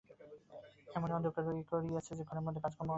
এমনি অন্ধকার করিয়াছে যে, ঘরের মধ্যে কাজকর্ম করা অসাধ্য।